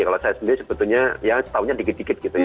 kalau saya sendiri sebetulnya ya tahunya dikit dikit gitu ya